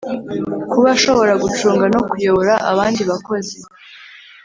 kuba ashobora gucunga no kuyobora abandi bakozi